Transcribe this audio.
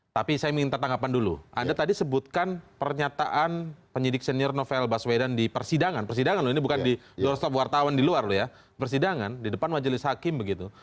tapi saya minta tanggapan dulu anda tadi sebutkan pernyataan penyidik senior novel baswedan di persidangan persidangan loh ini bukan di doorstop wartawan di luar loh ya persidangan di depan majelis hakim begitu